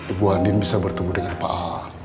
ibu andien bisa bertemu dengan pak al